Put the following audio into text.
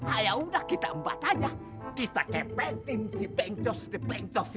ayo udah kita empat aja kita kepetin si bencos bencos